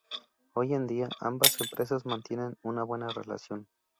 Hoy en día, ambas empresas mantienen una buena relación.